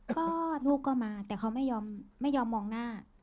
ก็ลูกก็มาแต่เขาไม่ยอมมองหน้า